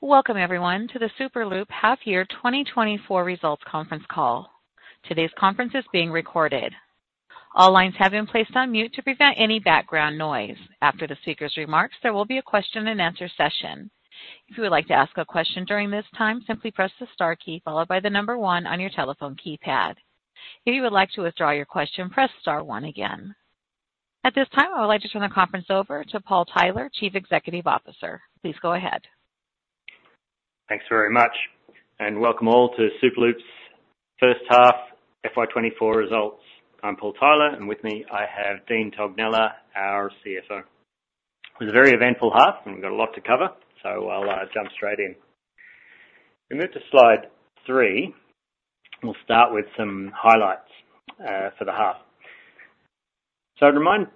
Welcome, everyone, to the Superloop Half-Year 2024 Results Conference Call. Today's conference is being recorded. All lines have been placed on mute to prevent any background noise. After the speaker's remarks, there will be a question-and-answer session. If you would like to ask a question during this time, simply press the star key followed by the number one on your telephone keypad. If you would like to withdraw your question, press star one again. At this time, I would like to turn the conference over to Paul Tyler, Chief Executive Officer. Please go ahead. Thanks very much. Welcome all to Superloop's first half FY24 results. I'm Paul Tyler, and with me I have Dean Tognella, our CFO. It was a very eventful half, and we've got a lot to cover, so I'll jump straight in. If we move to slide three, we'll start with some highlights for the half. So I'd remind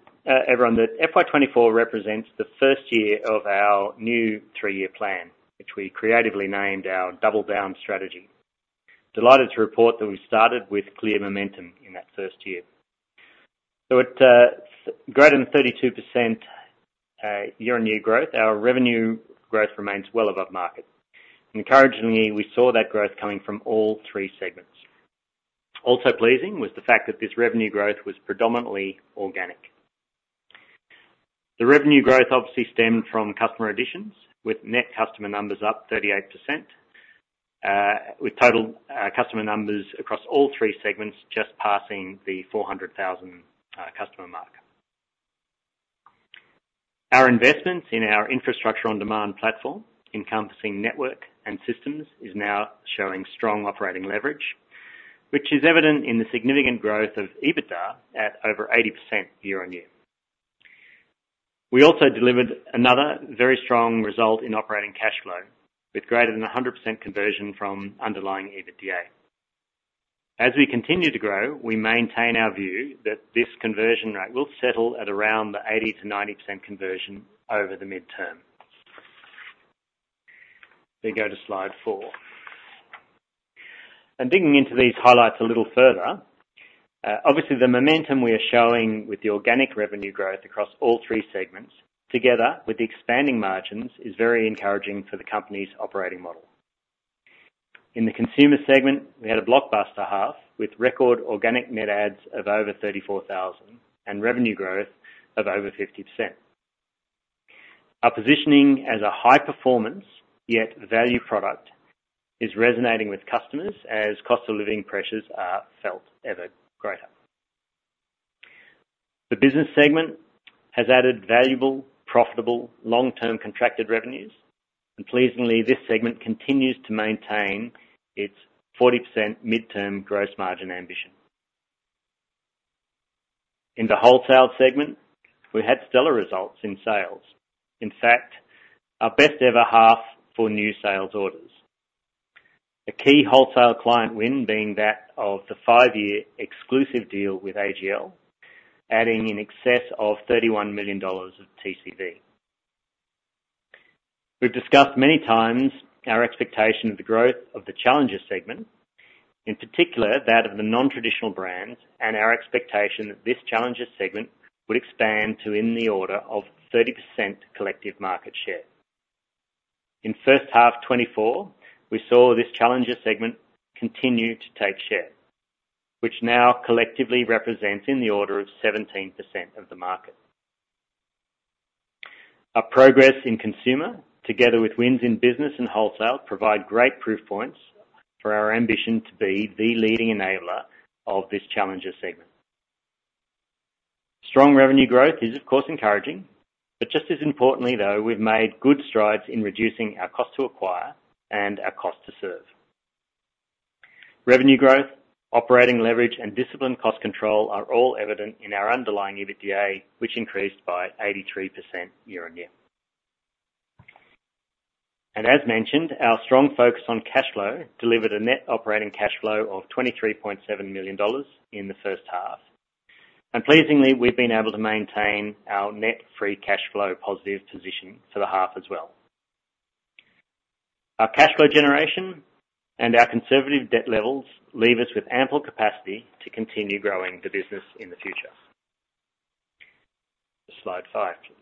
everyone that FY24 represents the first year of our new three-year plan, which we creatively named our Double Down Strategy. Delighted to report that we've started with clear momentum in that first year. So that's greater than 32% year-on-year growth, our revenue growth remains well above market. Encouragingly, we saw that growth coming from all three segments. Also pleasing was the fact that this revenue growth was predominantly organic. The revenue growth obviously stemmed from customer additions, with net customer numbers up 38%, with total customer numbers across all three segments just passing the 400,000 customer mark. Our investments in our Infrastructure on Demand platform, encompassing network and systems, is now showing strong operating leverage, which is evident in the significant growth of EBITDA at over 80% year-on-year. We also delivered another very strong result in operating cash flow, with greater than 100% conversion from underlying EBITDA. As we continue to grow, we maintain our view that this conversion rate will settle at around the 80%-90% conversion over the midterm. If we go to slide 4. Digging into these highlights a little further, obviously the momentum we are showing with the organic revenue growth across all three segments, together with the expanding margins, is very encouraging for the company's operating model. In the consumer segment, we had a blockbuster half with record organic net adds of over 34,000 and revenue growth of over 50%. Our positioning as a high-performance yet value product is resonating with customers as cost of living pressures are felt ever greater. The business segment has added valuable, profitable, long-term contracted revenues, and pleasingly, this segment continues to maintain its 40% midterm gross margin ambition. In the wholesale segment, we had stellar results in sales, in fact, our best-ever half for new sales orders. A key wholesale client win being that of the five-year exclusive deal with AGL, adding in excess of 31 million dollars of TCV. We've discussed many times our expectation of the growth of the challenger segment, in particular that of the non-traditional brands, and our expectation that this challenger segment would expand to in the order of 30% collective market share. In first half 2024, we saw this challenger segment continue to take share, which now collectively represents in the order of 17% of the market. Our progress in consumer, together with wins in business and wholesale, provide great proof points for our ambition to be the leading enabler of this challenger segment. Strong revenue growth is, of course, encouraging, but just as importantly, though, we've made good strides in reducing our cost to acquire and our cost to serve. Revenue growth, operating leverage, and disciplined cost control are all evident in our underlying EBITDA, which increased by 83% year-on-year. As mentioned, our strong focus on cash flow delivered a net operating cash flow of 23.7 million dollars in the first half. Pleasingly, we've been able to maintain our net free cash flow positive position for the half as well. Our cash flow generation and our conservative debt levels leave us with ample capacity to continue growing the business in the future. Slide 5, please.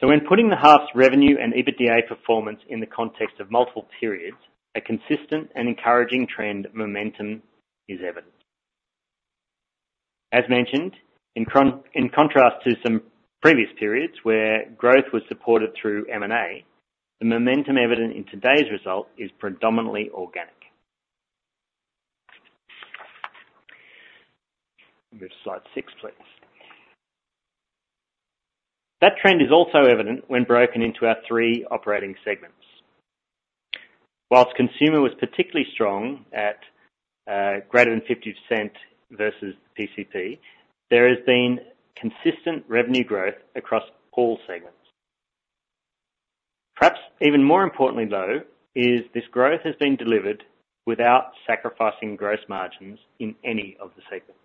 So when putting the half's revenue and EBITDA performance in the context of multiple periods, a consistent and encouraging trend momentum is evident. As mentioned, in contrast to some previous periods where growth was supported through M&A, the momentum evident in today's result is predominantly organic. If we move to slide 6, please. That trend is also evident when broken into our three operating segments. Whilst consumer was particularly strong at greater than 50% versus the PCP, there has been consistent revenue growth across all segments. Perhaps even more importantly, though, is this growth has been delivered without sacrificing gross margins in any of the segments.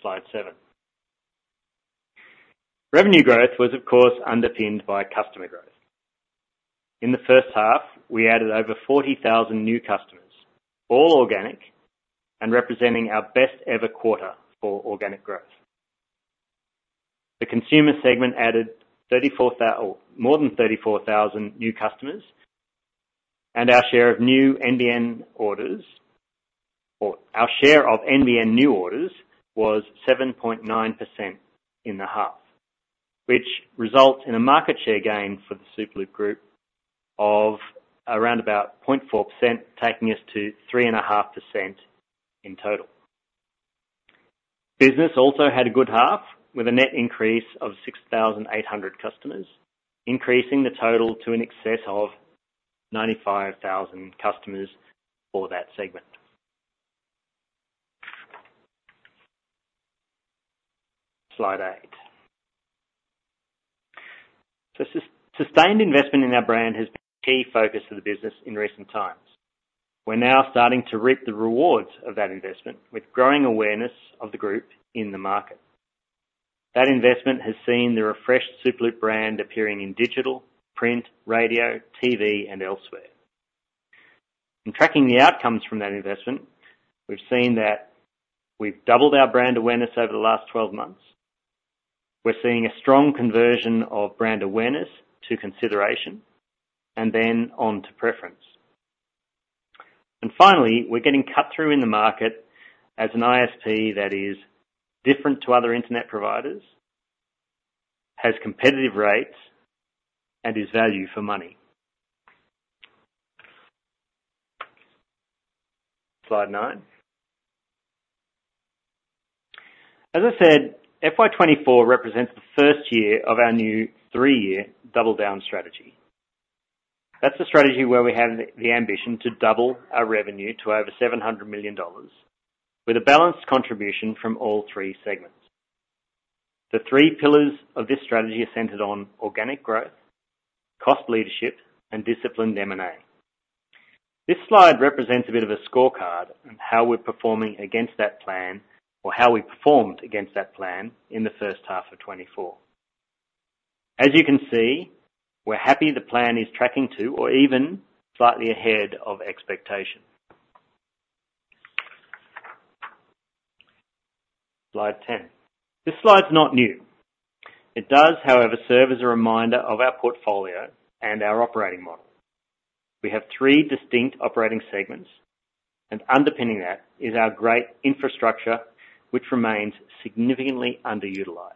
Slide 7. Revenue growth was, of course, underpinned by customer growth. In the first half, we added over 40,000 new customers, all organic and representing our best-ever quarter for organic growth. The consumer segment added 34,000 or more than 34,000 new customers, and our share of new NBN orders or our share of NBN new orders was 7.9% in the half, which results in a market share gain for the Superloop Group of around about 0.4%, taking us to 3.5% in total. Business also had a good half with a net increase of 6,800 customers, increasing the total to an excess of 95,000 customers for that segment. Slide 8. Sustained investment in our brand has been a key focus of the business in recent times. We're now starting to reap the rewards of that investment with growing awareness of the group in the market. That investment has seen the refreshed Superloop brand appearing in digital, print, radio, TV, and elsewhere. In tracking the outcomes from that investment, we've seen that we've doubled our brand awareness over the last 12 months. We're seeing a strong conversion of brand awareness to consideration and then onto preference. And finally, we're getting cut through in the market as an ISP that is different to other internet providers, has competitive rates, and is value for money. Slide 9. As I said, FY 2024 represents the first year of our new three-year Double Down Strategy. That's the strategy where we have the ambition to double our revenue to over 700 million dollars with a balanced contribution from all three segments. The three pillars of this strategy are centered on organic growth, cost leadership, and disciplined M&A. This slide represents a bit of a scorecard on how we're performing against that plan or how we performed against that plan in the first half of 2024. As you can see, we're happy the plan is tracking to or even slightly ahead of expectation. Slide 10. This slide's not new. It does, however, serve as a reminder of our portfolio and our operating model. We have three distinct operating segments, and underpinning that is our great infrastructure, which remains significantly underutilized.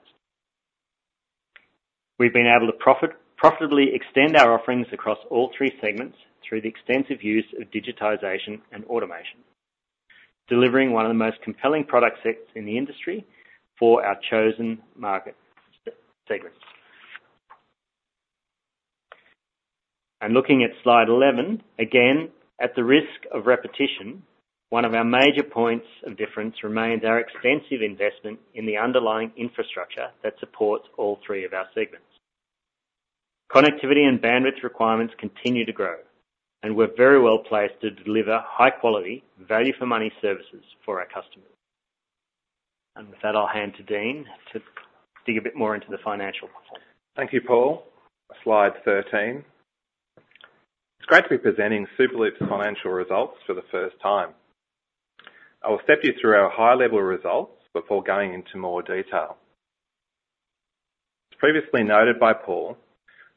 We've been able to profitably extend our offerings across all three segments through the extensive use of digitization and automation, delivering one of the most compelling product sets in the industry for our chosen market segments. And looking at slide 11, again, at the risk of repetition, one of our major points of difference remains our extensive investment in the underlying infrastructure that supports all three of our segments. Connectivity and bandwidth requirements continue to grow, and we're very well placed to deliver high-quality, value-for-money services for our customers. With that, I'll hand to Dean to dig a bit more into the financial performance. Thank you, Paul. Slide 13. It's great to be presenting Superloop's financial results for the first time. I will step you through our high-level results before going into more detail. As previously noted by Paul,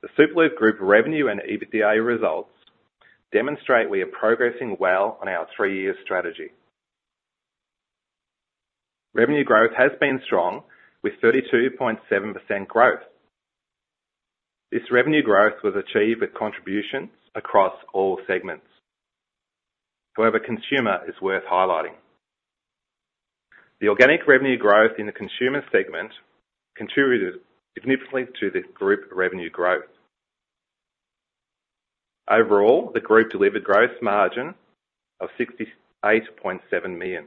the Superloop Group revenue and EBITDA results demonstrate we are progressing well on our three-year strategy. Revenue growth has been strong with 32.7% growth. This revenue growth was achieved with contributions across all segments. However, consumer is worth highlighting. The organic revenue growth in the consumer segment contributed significantly to the group revenue growth. Overall, the group delivered gross margin of 68.7 million.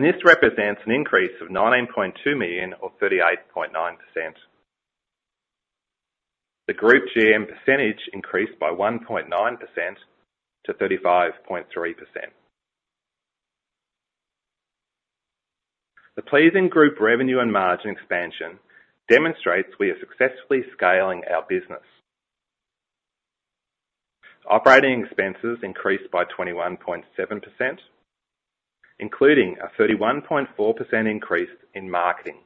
This represents an increase of 19.2 million or 38.9%. The group GM percentage increased by 1.9% to 35.3%. The pleasing group revenue and margin expansion demonstrates we are successfully scaling our business. Operating expenses increased by 21.7%, including a 31.4% increase in marketing.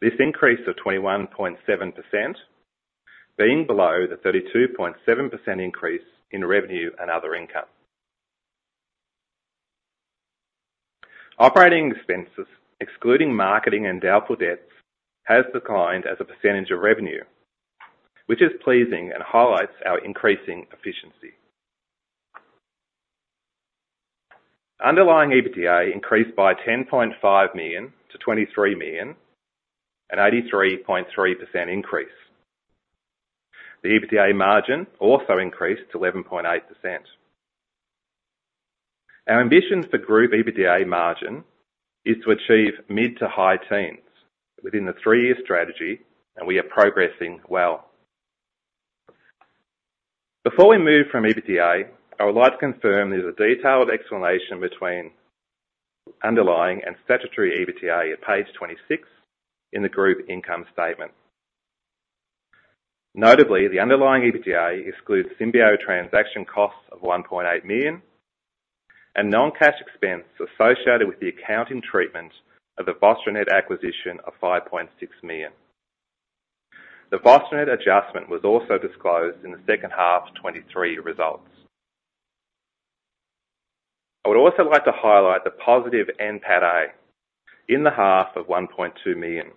This increase of 21.7% being below the 32.7% increase in revenue and other income. Operating expenses, excluding marketing and doubtful debts, have declined as a percentage of revenue, which is pleasing and highlights our increasing efficiency. Underlying EBITDA increased by 10.5 million to 23 million, an 83.3% increase. The EBITDA margin also increased to 11.8%. Our ambition for group EBITDA margin is to achieve mid to high teens within the three-year strategy, and we are progressing well. Before we move from EBITDA, I would like to confirm there's a detailed explanation between underlying and statutory EBITDA at page 26 in the group income statement. Notably, the underlying EBITDA excludes Symbio transaction costs of 1.8 million and non-cash expense associated with the accounting treatment of the VostroNet acquisition of 5.6 million. The VostroNet adjustment was also disclosed in the second half 2023 results. I would also like to highlight the positive NPATA in the half of 1.2 million.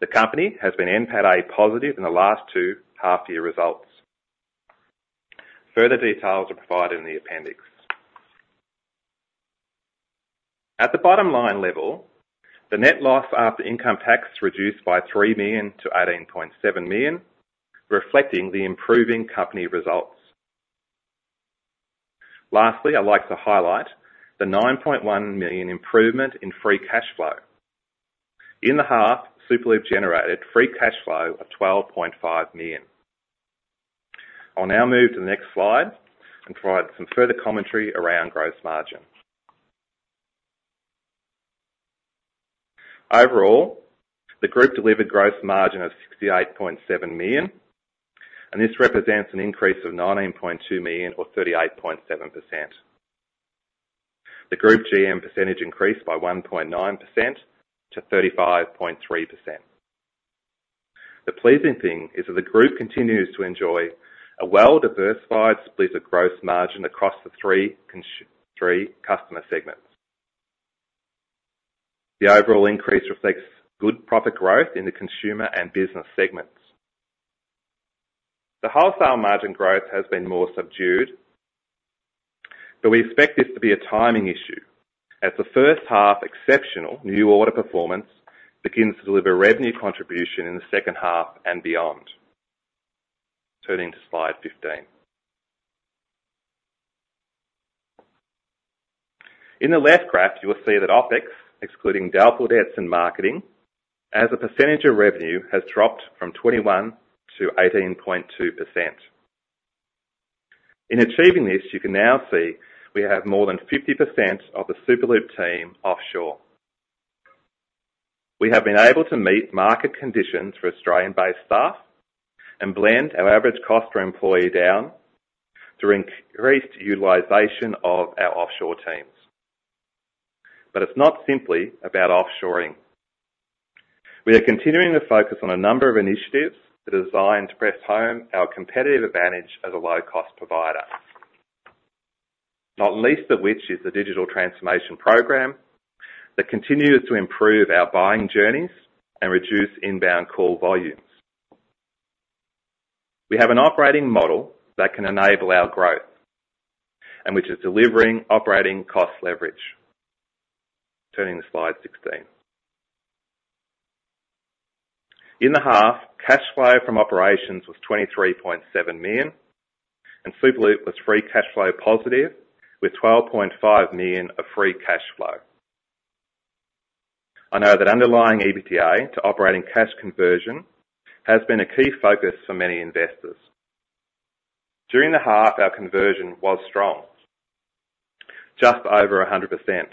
The company has been NPATA positive in the last two half-year results. Further details are provided in the appendix. At the bottom line level, the net loss after income tax reduced by 3 million to 18.7 million, reflecting the improving company results. Lastly, I'd like to highlight the 9.1 million improvement in free cash flow. In the half, Superloop generated free cash flow of 12.5 million. I'll now move to the next slide and provide some further commentary around gross margin. Overall, the group delivered gross margin of 68.7 million, and this represents an increase of 19.2 million or 38.7%. The group GM percentage increased by 1.9% to 35.3%. The pleasing thing is that the group continues to enjoy a well-diversified split of gross margin across the three customer segments. The overall increase reflects good profit growth in the consumer and business segments. The wholesale margin growth has been more subdued, but we expect this to be a timing issue as the first half exceptional new order performance begins to deliver revenue contribution in the second half and beyond. Turning to slide 15. In the left graph, you will see that OpEx, excluding doubtful debts and marketing, as a percentage of revenue, has dropped from 21%-18.2%. In achieving this, you can now see we have more than 50% of the Superloop team offshore. We have been able to meet market conditions for Australian-based staff and blend our average cost per employee down through increased utilization of our offshore teams. But it's not simply about offshoring. We are continuing to focus on a number of initiatives that are designed to press home our competitive advantage as a low-cost provider, not least of which is the digital transformation program that continues to improve our buying journeys and reduce inbound call volumes. We have an operating model that can enable our growth and which is delivering operating cost leverage. Turning to slide 16. In the half, cash flow from operations was 23.7 million, and Superloop was free cash flow positive with 12.5 million of free cash flow. I know that underlying EBITDA to operating cash conversion has been a key focus for many investors. During the half, our conversion was strong, just over 100%.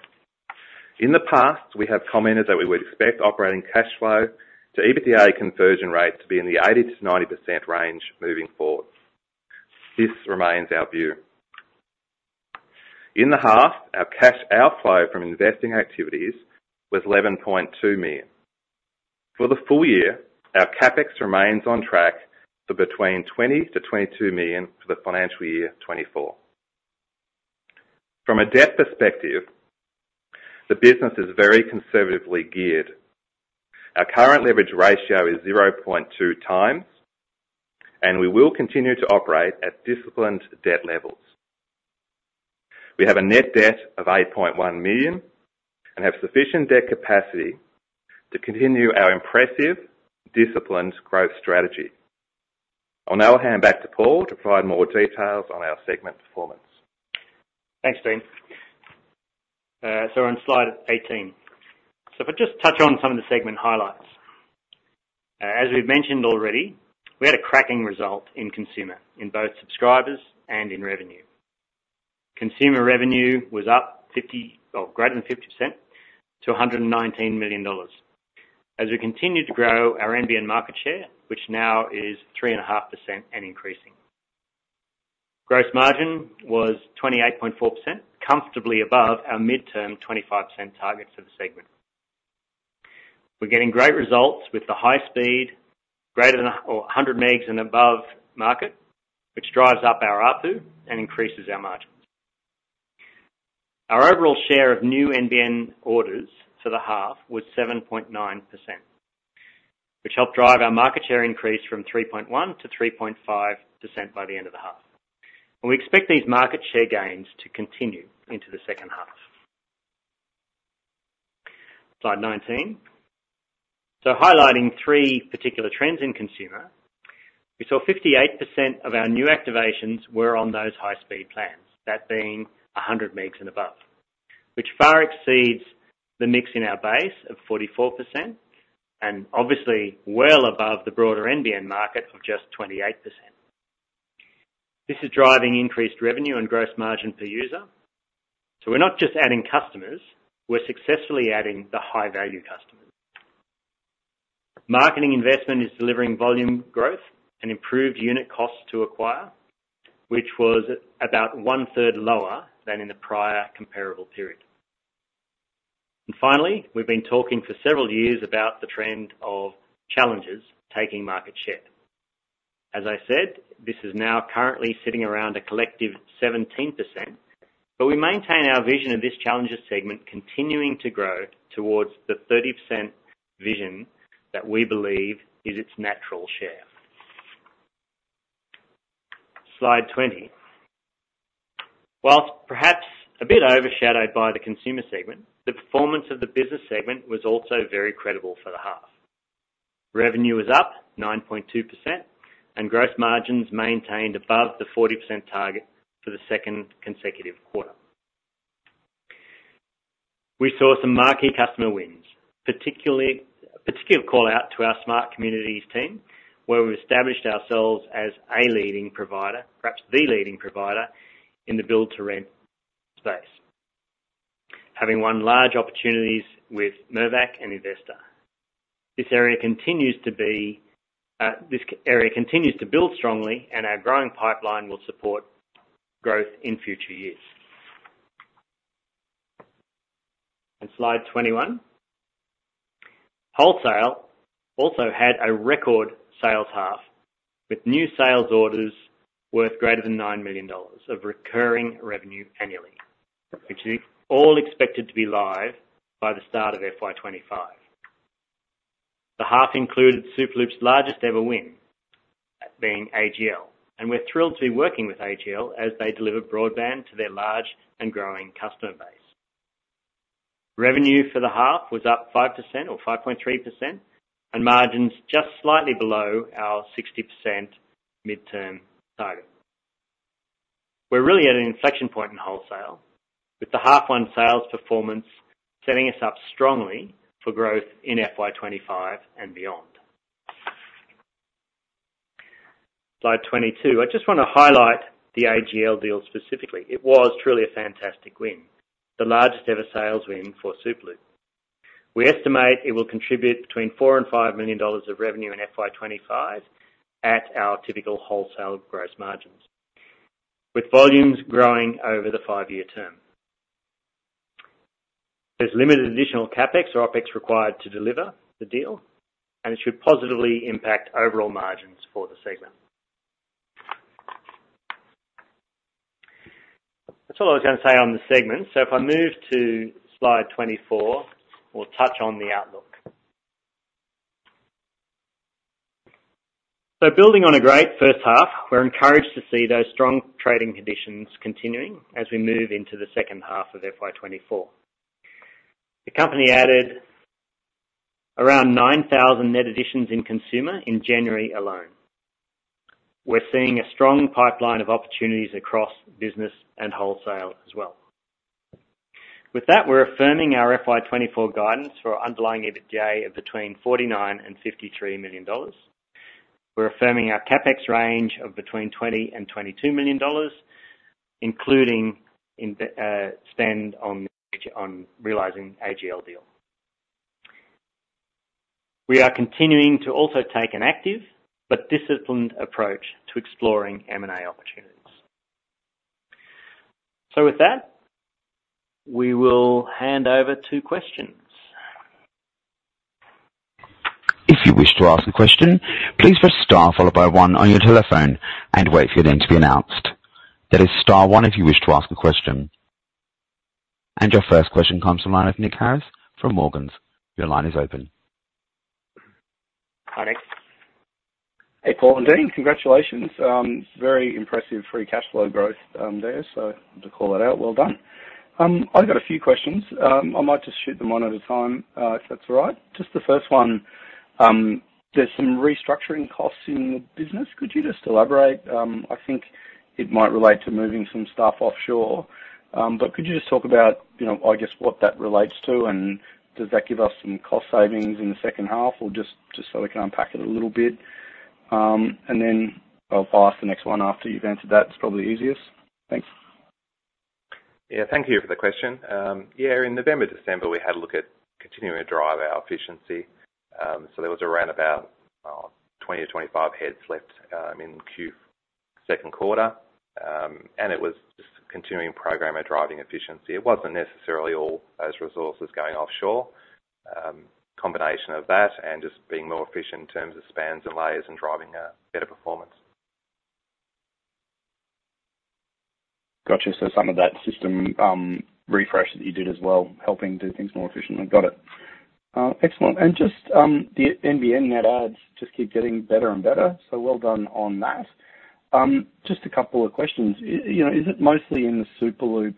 In the past, we have commented that we would expect operating cash flow to EBITDA conversion rate to be in the 80%-90% range moving forward. This remains our view. In the half, our cash outflow from investing activities was 11.2 million. For the full year, our CapEx remains on track for between 20 million-22 million for the financial year 2024. From a debt perspective, the business is very conservatively geared. Our current leverage ratio is 0.2 times, and we will continue to operate at disciplined debt levels. We have a net debt of 8.1 million and have sufficient debt capacity to continue our impressive disciplined growth strategy. I'll now hand back to Paul to provide more details on our segment performance. Thanks, Dean. So we're on slide 18. So if I just touch on some of the segment highlights. As we've mentioned already, we had a cracking result in consumer in both subscribers and in revenue. Consumer revenue was up 50% or greater than 50% to 119 million dollars as we continued to grow our NBN market share, which now is 3.5% and increasing. Gross margin was 28.4%, comfortably above our mid-term 25% target for the segment. We're getting great results with the high-speed, greater than or 100 megs and above market, which drives up our ARPU and increases our margins. Our overall share of new NBN orders for the half was 7.9%, which helped drive our market share increase from 3.1%-3.5% by the end of the half. And we expect these market share gains to continue into the second half. Slide 19. So highlighting three particular trends in consumer, we saw 58% of our new activations were on those high-speed plans, that being 100 megs and above, which far exceeds the mix in our base of 44% and obviously well above the broader NBN market of just 28%. This is driving increased revenue and gross margin per user. So we're not just adding customers. We're successfully adding the high-value customers. Marketing investment is delivering volume growth and improved unit costs to acquire, which was about one-third lower than in the prior comparable period. And finally, we've been talking for several years about the trend of challengers taking market share. As I said, this is now currently sitting around a collective 17%, but we maintain our vision of this challengers segment continuing to grow towards the 30% vision that we believe is its natural share. Slide 20. While perhaps a bit overshadowed by the consumer segment, the performance of the business segment was also very credible for the half. Revenue was up 9.2%, and gross margins maintained above the 40% target for the second consecutive quarter. We saw some marquee customer wins, particularly a particular call-out to our Smart Communities team where we've established ourselves as a leading provider, perhaps the leading provider in the build-to-rent space, having won large opportunities with Mirvac and Investa. This area continues to build strongly, and our growing pipeline will support growth in future years. Slide 21. Wholesale also had a record sales half with new sales orders worth greater than 9 million dollars of recurring revenue annually, which is all expected to be live by the start of FY25. The half included Superloop's largest-ever win, that being AGL. We're thrilled to be working with AGL as they deliver broadband to their large and growing customer base. Revenue for the half was up 5% or 5.3% and margins just slightly below our 60% mid-term target. We're really at an inflection point in wholesale, with the H1 sales performance setting us up strongly for growth in FY25 and beyond. Slide 22. I just want to highlight the AGL deal specifically. It was truly a fantastic win, the largest-ever sales win for Superloop. We estimate it will contribute between 4 million and 5 million dollars of revenue in FY25 at our typical wholesale gross margins, with volumes growing over the five-year term. There's limited additional CapEx or OpEx required to deliver the deal, and it should positively impact overall margins for the segment. That's all I was going to say on the segment. So if I move to slide 24, we'll touch on the outlook. So building on a great first half, we're encouraged to see those strong trading conditions continuing as we move into the second half of FY 2024. The company added around 9,000 net additions in consumer in January alone. We're seeing a strong pipeline of opportunities across business and wholesale as well. With that, we're affirming our FY 2024 guidance for our underlying EBITDA of between 49 million and 53 million dollars. We're affirming our CapEx range of between 20 million and 22 million dollars, including NBN spend on the ongoing realizing AGL deal. We are continuing to also take an active but disciplined approach to exploring M&A opportunities. So with that, we will hand over to questions. If you wish to ask a question, please press star followed by one on your telephone and wait for your name to be announced. That is star one if you wish to ask a question. And your first question comes from the line of Nick Harris from Morgans. Your line is open. Hi, Nick. Hey, Paul and Dean. Congratulations. Very impressive free cash flow growth there, so I'll just call that out. Well done. I've got a few questions. I might just shoot them one at a time, if that's all right. Just the first one. There's some restructuring costs in the business. Could you just elaborate? I think it might relate to moving some staff offshore. But could you just talk about, you know, I guess what that relates to, and does that give us some cost savings in the second half, or just, just so we can unpack it a little bit? And then I'll ask the next one after you've answered that. It's probably easiest. Thanks. Yeah. Thank you for the question. Yeah, in November, December, we had a look at continuing to drive our efficiency. So there was a roundabout, oh, 20 or 25 heads left, in Q second quarter. And it was just continuing program at driving efficiency. It wasn't necessarily all those resources going offshore. Combination of that and just being more efficient in terms of spans and layers and driving a better performance. Gotcha. So some of that system refresh that you did as well, helping do things more efficiently. Got it. Excellent. And just, the NBN net adds just keep getting better and better, so well done on that. Just a couple of questions. It, you know, is it mostly in the Superloop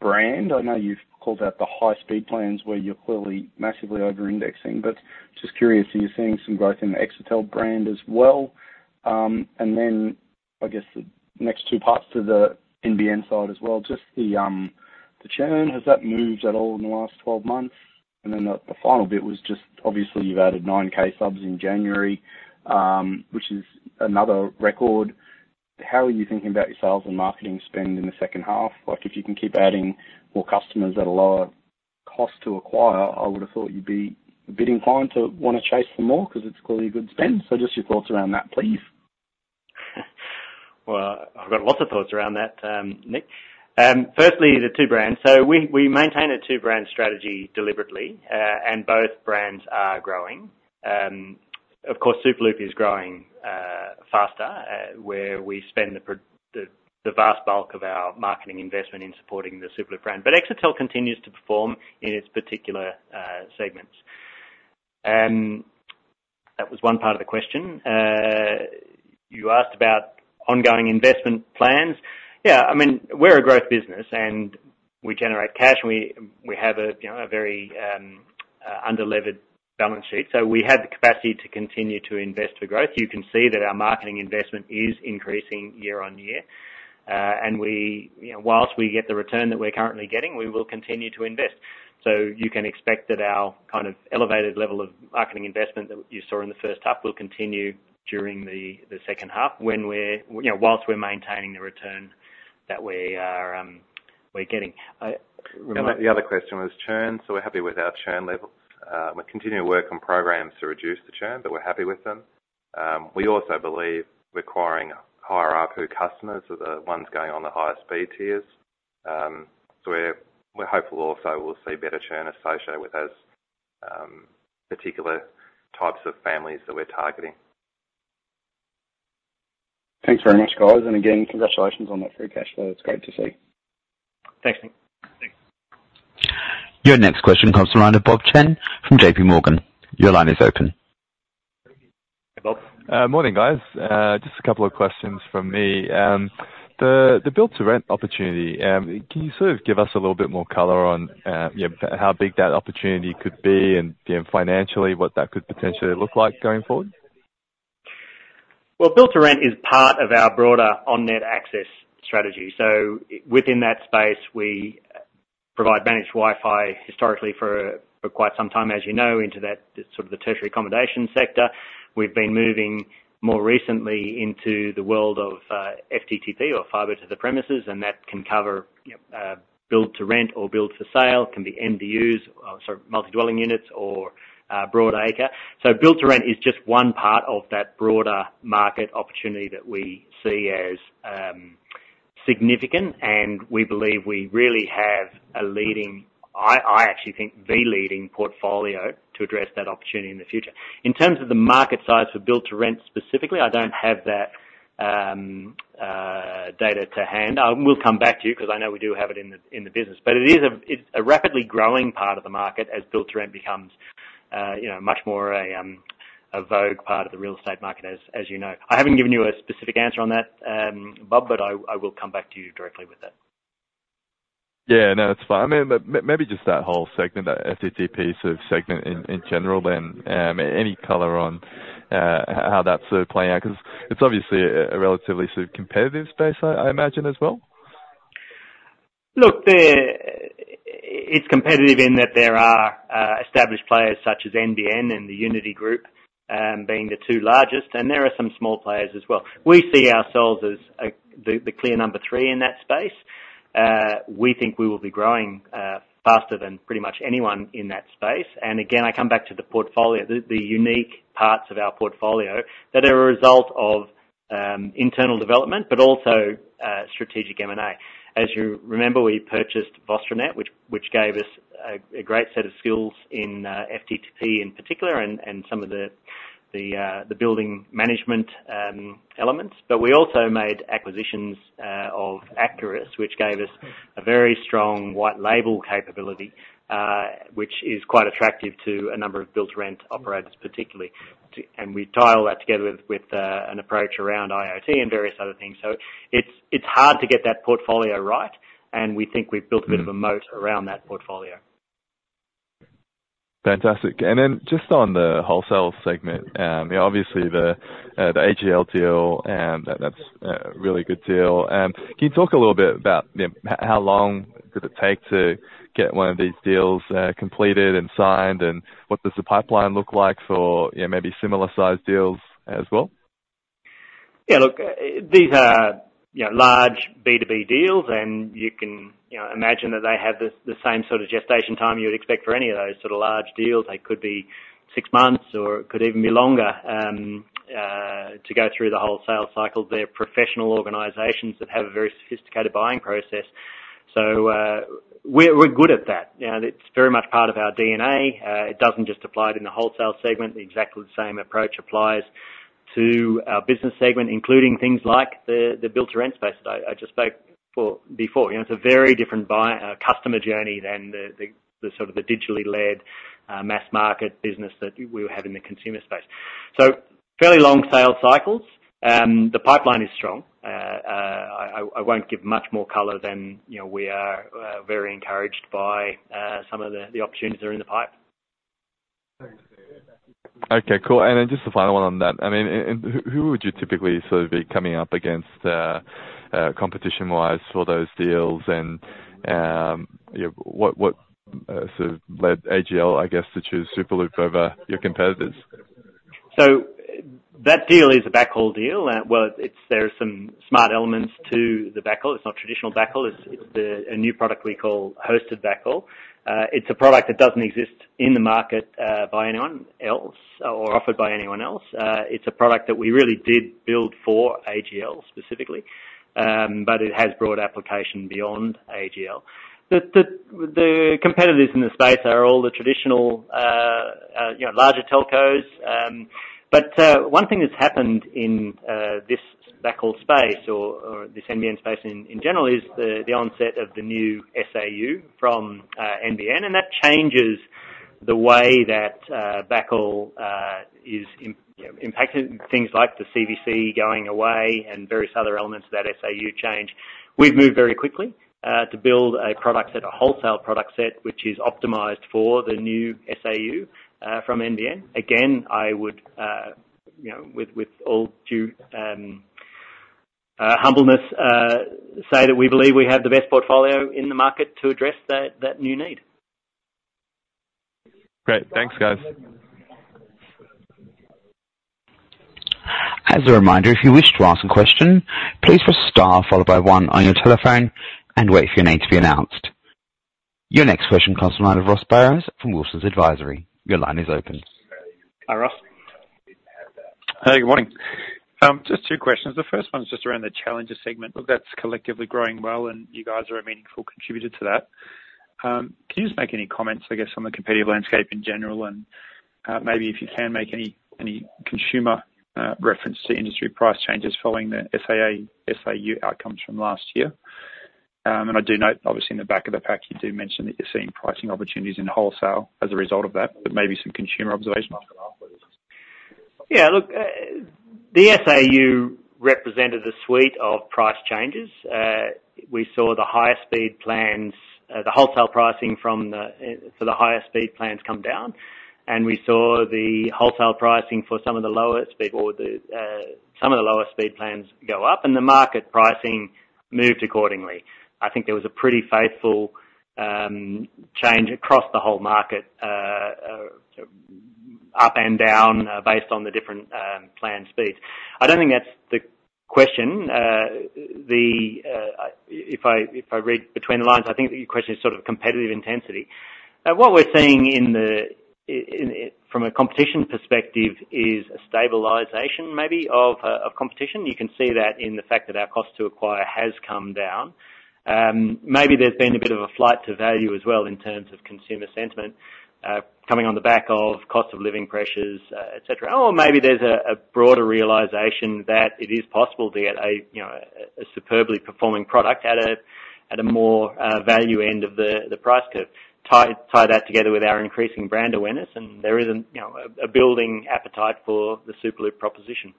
brand? I know you've called out the high-speed plans where you're clearly massively over-indexing, but just curious, are you seeing some growth in the Exetel brand as well? And then I guess the next two parts to the NBN side as well, just the churn, has that moved at all in the last 12 months? And then the final bit was just obviously, you've added 9,000 subs in January, which is another record. How are you thinking about your sales and marketing spend in the second half? Like, if you can keep adding more customers at a lower cost to acquire, I would have thought you'd be a bit inclined to want to chase for more because it's clearly a good spend. So just your thoughts around that, please. Well, I've got lots of thoughts around that, Nick. Firstly, the two brands. So we maintain a two-brand strategy deliberately, and both brands are growing. Of course, Superloop is growing faster, where we spend the, the vast bulk of our marketing investment in supporting the Superloop brand. But Exetel continues to perform in its particular segments. That was one part of the question. You asked about ongoing investment plans. Yeah. I mean, we're a growth business, and we generate cash, and we have a, you know, a very underlevered balance sheet. So we have the capacity to continue to invest for growth. You can see that our marketing investment is increasing year-on-year. And we, you know, while we get the return that we're currently getting, we will continue to invest. So you can expect that our kind of elevated level of marketing investment that you saw in the first half will continue during the second half when we're, you know, whilst we're maintaining the return that we are, we're getting. I remind. And the other question was churn. So we're happy with our churn levels. We continue to work on programs to reduce the churn, but we're happy with them. We also believe we're acquiring higher APU customers of the ones going on the higher-speed tiers. So we're, we're hopeful also we'll see better churn associated with those particular types of families that we're targeting. Thanks very much, guys. Again, congratulations on that free cash flow. It's great to see. Thanks, Nick. Thanks. Your next question comes from the line of Bob Chen from JPMorgan. Your line is open. Hey, Bob. Morning, guys. Just a couple of questions from me. The build-to-rent opportunity, can you sort of give us a little bit more color on, you know, how big that opportunity could be and, you know, financially what that could potentially look like going forward? Well, build-to-rent is part of our broader on-net access strategy. So within that space, we provide managed Wi-Fi historically for quite some time, as you know, into that sort of the tertiary accommodation sector. We've been moving more recently into the world of FTTP or fibre to the premises, and that can cover, you know, build-to-rent or build-for-sale. It can be MDUs, oh, sorry, multi-dwelling units or broader acre. So build-to-rent is just one part of that broader market opportunity that we see as significant. And we believe we really have a leading. I actually think the leading portfolio to address that opportunity in the future. In terms of the market size for build-to-rent specifically, I don't have that data to hand. We'll come back to you because I know we do have it in the business. But it is a rapidly growing part of the market as Build-to-Rent becomes, you know, much more a vogue part of the real estate market as you know. I haven't given you a specific answer on that, Bob, but I will come back to you directly with that. Yeah. No, that's fine. I mean, maybe just that whole segment, that FTTP sort of segment in general then. Any color on how that's sort of playing out? Because it's obviously a relatively sort of competitive space, I imagine as well. Look, there it's competitive in that there are established players such as NBN and the Uniti Group, being the two largest. And there are some small players as well. We see ourselves as the clear number three in that space. We think we will be growing faster than pretty much anyone in that space. And again, I come back to the portfolio, the unique parts of our portfolio that are a result of internal development but also strategic M&A. As you remember, we purchased VostroNet, which gave us a great set of skills in FTTP in particular and some of the building management elements. But we also made acquisitions of Acurus, which gave us a very strong white-label capability, which is quite attractive to a number of build-to-rent operators particularly. And we tie all that together with an approach around IoT and various other things. So it's hard to get that portfolio right, and we think we've built a bit of a moat around that portfolio. Fantastic. Then just on the wholesale segment, you know, obviously, the AGL deal, that's a really good deal. Can you talk a little bit about, you know, how long did it take to get one of these deals completed and signed, and what does the pipeline look like for, you know, maybe similar-sized deals as well? Yeah. Look, these are, you know, large B2B deals, and you can, you know, imagine that they have the, the same sort of gestation time you would expect for any of those sort of large deals. They could be six months or it could even be longer, to go through the wholesale cycle. They're professional organizations that have a very sophisticated buying process. So, we're, we're good at that. You know, it's very much part of our DNA. It doesn't just apply to the wholesale segment. The exact same approach applies to our business segment, including things like the, the build-to-rent space that I, I just spoke for before. You know, it's a very different buy customer journey than the, the, the sort of the digitally-led, mass market business that we were having in the consumer space. So fairly long sales cycles. The pipeline is strong. I won't give much more color than, you know, we are very encouraged by some of the opportunities that are in the pipe. Thanks, David. Okay. Cool. And then just the final one on that. I mean, in who, who would you typically sort of be coming up against, competition-wise for those deals? And, you know, what sort of led AGL, I guess, to choose Superloop over your competitors? So that deal is a backhaul deal. Well, it's, there are some smart elements to the backhaul. It's not traditional backhaul. It's a new product we call hosted backhaul. It's a product that doesn't exist in the market by anyone else or offered by anyone else. It's a product that we really did build for AGL specifically, but it has broad application beyond AGL. The competitors in the space are all the traditional, you know, larger telcos. But one thing that's happened in this backhaul space or this NBN space in general is the onset of the new SAU from NBN. And that changes the way that backhaul is, you know, impacting things like the CVC going away and various other elements of that SAU change. We've moved very quickly to build a product set, a wholesale product set, which is optimized for the new SAU from NBN. Again, I would, you know, with all due humbleness, say that we believe we have the best portfolio in the market to address that new need. Great. Thanks, guys. As a reminder, if you wish to ask a question, please press star followed by one on your telephone and wait for your name to be announced. Your next question comes from Line of Ross Barrows from Wilsons Advisory. Your line is open. Hi, Ross. Hey, good morning. Just two questions. The first one's just around the challenger segment. Look, that's collectively growing well, and you guys are a meaningful contributor to that. Can you just make any comments, I guess, on the competitive landscape in general and, maybe if you can make any, any consumer reference to industry price changes following the SAA, SAU outcomes from last year? And I do note, obviously, in the back of the pack, you do mention that you're seeing pricing opportunities in wholesale as a result of that, but maybe some consumer observations. Yeah. Look, the SAU represented a suite of price changes. We saw the higher-speed plans, the wholesale pricing from the NBN for the higher-speed plans come down, and we saw the wholesale pricing for some of the lower-speed plans go up, and the market pricing moved accordingly. I think there was a pretty faithful change across the whole market, up and down, based on the different plan speeds. I don't think that's the question. If I read between the lines, I think that your question is sort of competitive intensity. What we're seeing in the NBN in from a competition perspective is a stabilization, maybe, of competition. You can see that in the fact that our cost to acquire has come down. Maybe there's been a bit of a flight to value as well in terms of consumer sentiment, coming on the back of cost of living pressures, etc. Or maybe there's a broader realization that it is possible to get a, you know, a superbly performing product at a more value end of the price curve. Tie, tie that together with our increasing brand awareness, and there isn't, you know, a building appetite for the Superloop proposition.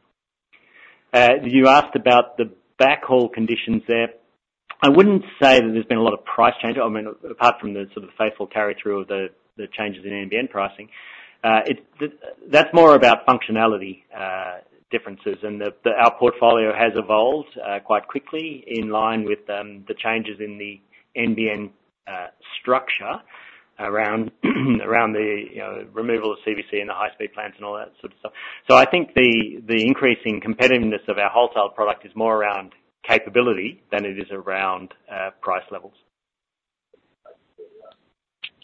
You asked about the backhaul conditions there. I wouldn't say that there's been a lot of price change. I mean, apart from the sort of faithful carry-through of the changes in NBN pricing, it's the that's more about functionality differences. Our portfolio has evolved quite quickly in line with the changes in the NBN structure around the you know removal of CVC in the high-speed plans and all that sort of stuff. So I think the increasing competitiveness of our wholesale product is more around capability than it is around price levels.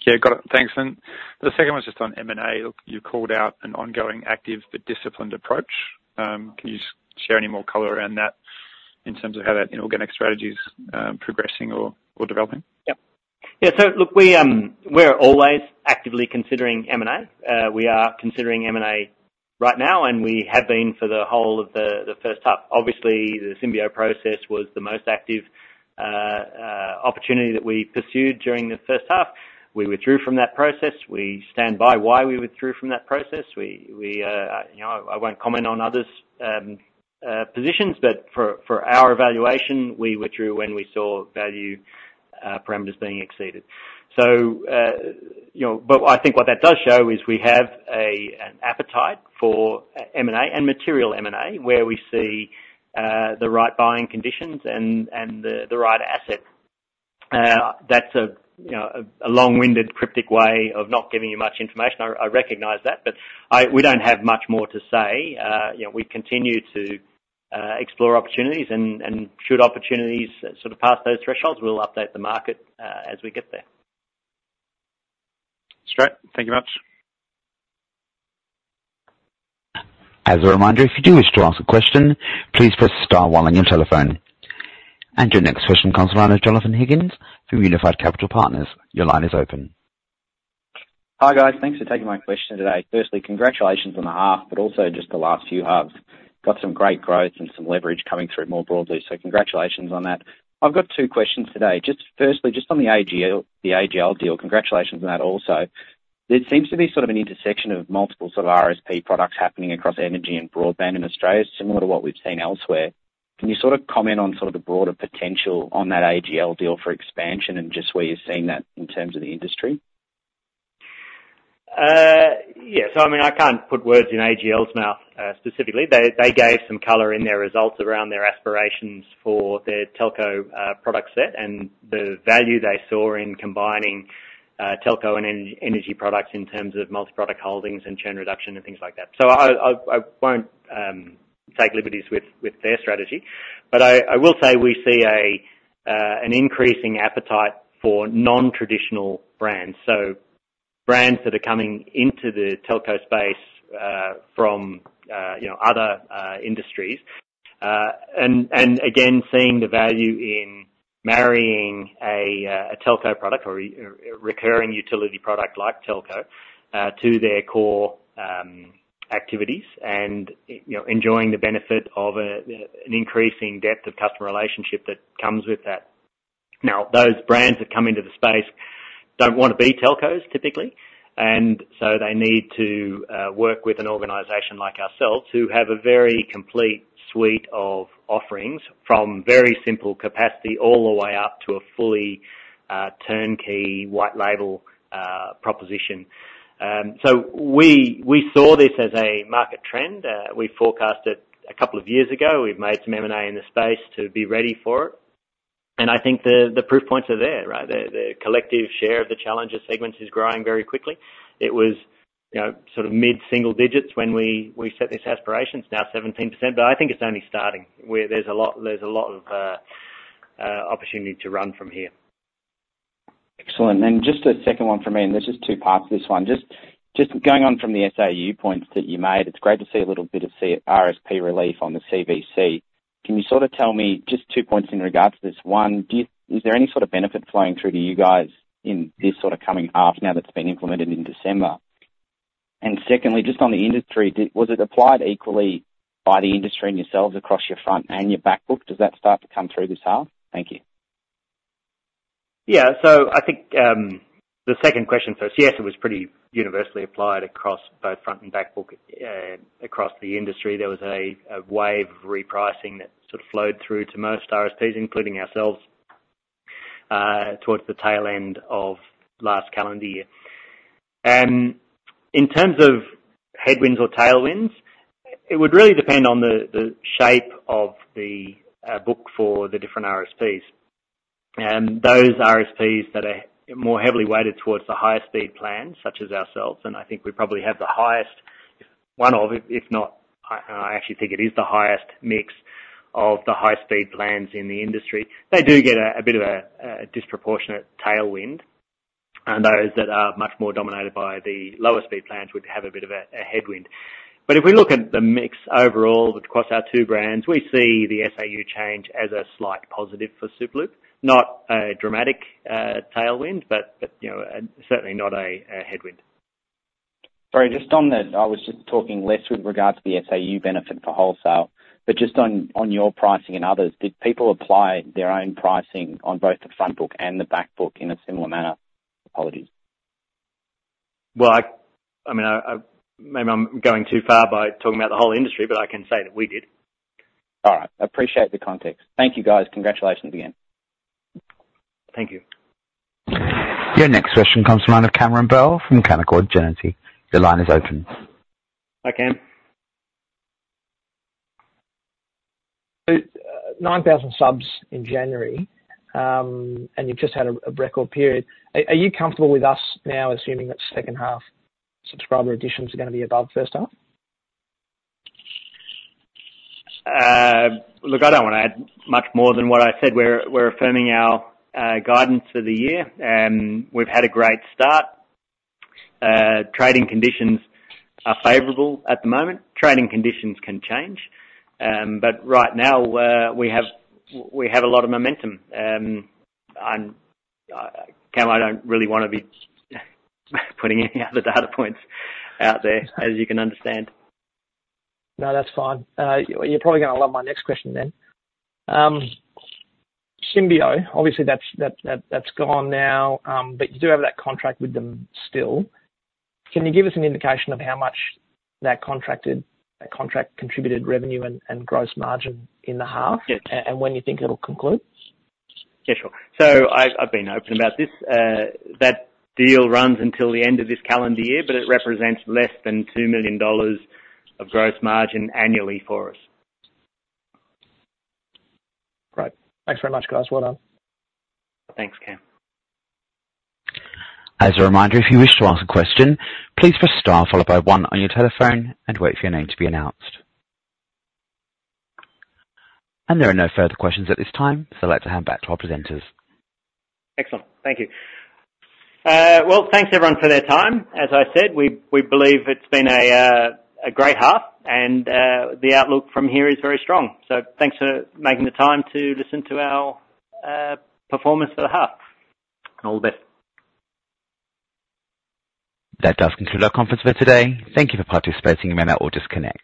Yeah. Got it. Thanks. And the second one's just on M&A. Look, you called out an ongoing active but disciplined approach. Can you share any more color around that in terms of how that, you know, organic strategy's progressing or developing? Yep. Yeah. So look, we're always actively considering M&A. We are considering M&A right now, and we have been for the whole of the first half. Obviously, the Symbio process was the most active opportunity that we pursued during the first half. We withdrew from that process. We stand by why we withdrew from that process. We, you know, I won't comment on others' positions, but for our evaluation, we withdrew when we saw value parameters being exceeded. So, you know, but I think what that does show is we have an appetite for M&A and material M&A where we see the right buying conditions and the right asset. That's a, you know, long-winded, cryptic way of not giving you much information. I recognize that. But we don't have much more to say. You know, we continue to explore opportunities. And should opportunities sort of pass those thresholds, we'll update the market, as we get there. That's great. Thank you very much. As a reminder, if you do wish to ask a question, please press star while on your telephone. Your next question comes from the line of Jonathon Higgins from Unified Capital Partners. Your line is open. Hi, guys. Thanks for taking my question today. Firstly, congratulations on the half but also just the last few halves. Got some great growth and some leverage coming through more broadly, so congratulations on that. I've got two questions today. Just firstly, just on the AGL the AGL deal, congratulations on that also. There seems to be sort of an intersection of multiple sort of RSP products happening across energy and broadband in Australia, similar to what we've seen elsewhere. Can you sort of comment on sort of the broader potential on that AGL deal for expansion and just where you're seeing that in terms of the industry? Yeah. So I mean, I can't put words in AGL's mouth, specifically. They gave some color in their results around their aspirations for their telco product set and the value they saw in combining telco and energy products in terms of multi-product holdings and churn reduction and things like that. So I won't take liberties with their strategy. But I will say we see an increasing appetite for non-traditional brands, so brands that are coming into the telco space from, you know, other industries. And again, seeing the value in marrying a telco product or a recurring utility product like telco to their core activities and, you know, enjoying the benefit of an increasing depth of customer relationship that comes with that. Now, those brands that come into the space don't want to be telcos typically, and so they need to work with an organization like ourselves who have a very complete suite of offerings from very simple capacity all the way up to a fully turnkey white-label proposition. So we saw this as a market trend. We forecast it a couple of years ago. We've made some M&A in the space to be ready for it. And I think the proof points are there, right? The collective share of the challenger segments is growing very quickly. It was, you know, sort of mid-single digits when we set these aspirations. Now, 17%. But I think it's only starting. There's a lot of opportunity to run from here. Excellent. And just a second one from me, and there's just two parts to this one. Just going on from the SAU points that you made, it's great to see a little bit of CVC RSP relief on the CVC. Can you sort of tell me just two points in regards to this? One, is there any sort of benefit flowing through to you guys in this sort of coming half now that's been implemented in December? And secondly, just on the industry, did it applied equally by the industry and yourselves across your frontbook and your backbook? Does that start to come through this half? Thank you. Yeah. So I think, the second question first, yes, it was pretty universally applied across both front and backbook, across the industry. There was a wave of repricing that sort of flowed through to most RSPs, including ourselves, towards the tail end of last calendar year. In terms of headwinds or tailwinds, it would really depend on the shape of the book for the different RSPs. Those RSPs that are more heavily weighted towards the higher-speed plans, such as ourselves, and I think we probably have the highest, if not, and I actually think it is the highest mix of the high-speed plans in the industry, they do get a bit of a disproportionate tailwind. And those that are much more dominated by the lower-speed plans would have a bit of a headwind. If we look at the mix overall across our two brands, we see the SAU change as a slight positive for Superloop, not a dramatic tailwind, but you know, certainly not a headwind. Sorry. Just on that, I was just talking less with regards to the SAU benefit for wholesale. But just on, on your pricing and others, did people apply their own pricing on both the frontbook and the backbook in a similar manner? Apologies. Well, I mean, maybe I'm going too far by talking about the whole industry, but I can say that we did. All right. Appreciate the context. Thank you, guys. Congratulations again. Thank you. Your next question comes from the line of Cameron Bell from Canaccord Genuity. Your line is open. Hi, Cam. So, 9,000 subs in January, and you've just had a record period. Are you comfortable with us now assuming that second-half subscriber additions are going to be above first half? Look, I don't want to add much more than what I said. We're affirming our guidance for the year. We've had a great start. Trading conditions are favorable at the moment. Trading conditions can change. But right now, we have a lot of momentum. I, Cam, I don't really want to be putting any other data points out there, as you can understand. No, that's fine. You're probably going to love my next question then. Symbio, obviously, that's gone now, but you do have that contract with them still. Can you give us an indication of how much that contract contributed revenue and gross margin in the half? Yes. When you think it'll conclude? Yeah, sure. So I've been open about this. That deal runs until the end of this calendar year, but it represents less than 2 million dollars of gross margin annually for us. Right. Thanks very much, guys. Well done. Thanks, Cam. As a reminder, if you wish to ask a question, please press star followed by one on your telephone and wait for your name to be announced. There are no further questions at this time, so I'd like to hand back to our presenters. Excellent. Thank you. Well, thanks, everyone, for their time. As I said, we believe it's been a great half, and the outlook from here is very strong. So thanks for making the time to listen to our performance for the half. And all the best. That does conclude our conference for today. Thank you for participating. You may now all just connect.